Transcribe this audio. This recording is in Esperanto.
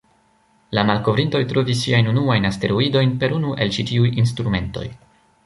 La malkovrintoj trovis siajn unuajn asteroidojn per unu el ĉi-tiuj instrumentoj.